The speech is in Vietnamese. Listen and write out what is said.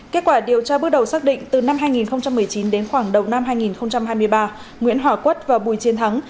kết quả điều tra bước đầu xác định từ năm hai nghìn một mươi chín đến khoảng đầu năm hai nghìn hai mươi ba nguyễn hòa quất và bùi chiến thắng